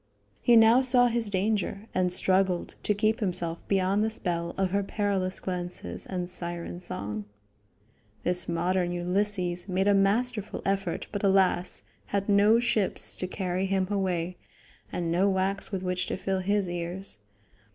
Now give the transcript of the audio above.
He now saw his danger, and struggled to keep himself beyond the spell of her perilous glances and siren song. This modern Ulysses made a masterful effort, but alas! had no ships to carry him away, and no wax with which to fill his ears.